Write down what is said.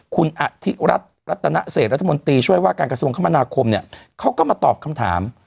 คุณอธิรัฐรัตนเศษรัฐมนตรีช่วยว่าการกระทรวงคมนาคมเนี่ยเขาก็มาตอบคำถาม